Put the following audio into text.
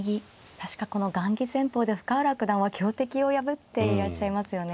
確かこの雁木戦法で深浦九段は強敵を破っていらっしゃいますよね。